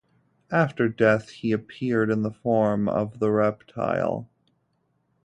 After death he appeared in the form of the reptile.